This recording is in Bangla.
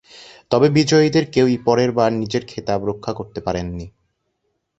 তবে বিজয়ীদের কেউই পরের বার নিজের খেতাব রক্ষা করতে পারেননি।